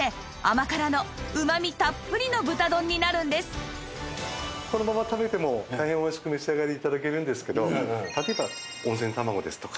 そしてこのまま食べても大変おいしくお召し上がり頂けるんですけど例えば温泉卵ですとか。